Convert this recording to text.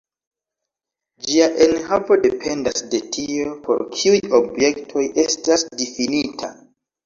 Ĝia enhavo dependas de tio, por kiuj objektoj estas difinita.